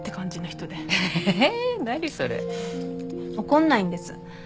怒んないんです。